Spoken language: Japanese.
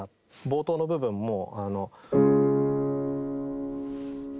冒頭の部分も。